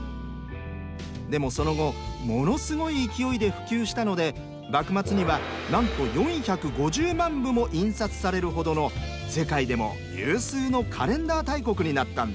でもその後ものすごい勢いで普及したので幕末には何と４５０万部も印刷されるほどの世界でも有数のカレンダー大国になったんです。